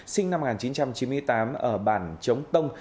sinh năm một nghìn chín trăm chín mươi tám ở bản chống tông